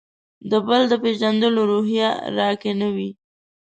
د «بل» د پېژندلو روحیه راکې نه وي.